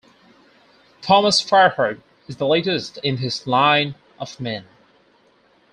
Thomas Fireheart is the latest in this line of men.